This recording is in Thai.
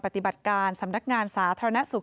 ปฏิบัติการสำนักงานสาธารณสุข